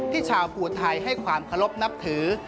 ชาวภูไทยให้ความเคารพนับถือ